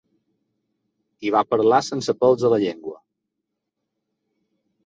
I va parlar sense pèls a la llengua.